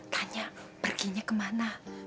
tanya perginya kemana